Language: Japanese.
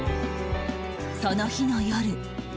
その日の夜